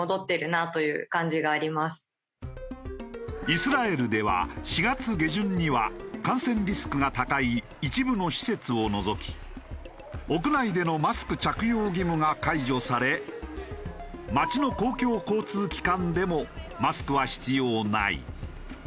イスラエルでは４月下旬には感染リスクが高い一部の施設を除き屋内でのマスク着用義務が解除され街の公共交通機関でもマスクは必要ない。